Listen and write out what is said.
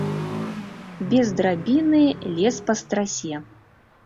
Без драбіны лез па страсе.